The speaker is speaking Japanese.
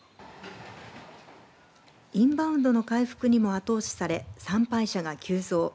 インバウンドの回復にも後押しされ参拝者が急増。